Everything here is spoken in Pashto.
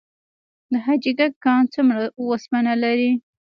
د حاجي ګک کان څومره وسپنه لري؟